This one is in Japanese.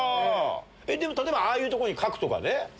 でも例えばああいうとこに書くとかね。